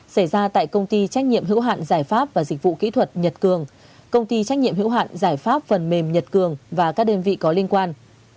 xảy ra tại công ty trách nhiệm hữu hạn giải pháp và dịch vụ kỹ thuật nhật cường công ty trách nhiệm hữu hạn giải pháp phần mềm nhật cường và các đơn vị có liên quan